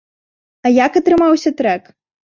А як атрымаўся трэк?